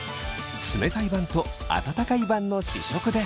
冷たい版と温かい版の試食です。